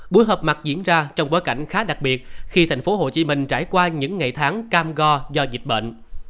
buổi họp mặt diễn ra trong bối cảnh khá đặc biệt khi tp hcm trải qua những ngày tháng cam go do dịch bệnh